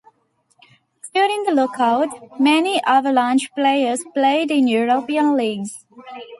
During the lockout, many Avalanche players played in European leagues.